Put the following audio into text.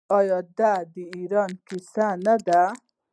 آیا دا د ایران کیسه نه ده؟